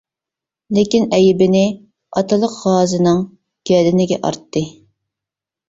لېكىن ئەيىبنى ئاتىلىق غازىنىڭ گەدىنىگە ئارتتى.